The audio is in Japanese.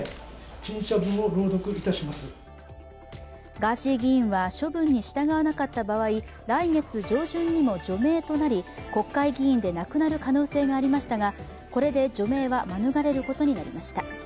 ガーシー議員は処分に従わなかった場合、来月上旬にも除名となり、国会議員でなくなる可能性がありましたが、これで除名は免れることになりました。